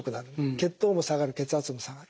血糖も下がる血圧も下がる。